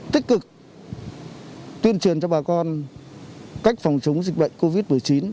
tích cực tuyên truyền vận động quần chống dịch bệnh covid một mươi chín